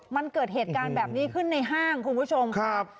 มันเกิดเหตุการณ์แบบนี้ขึ้นในห้างคุณผู้ชมครับ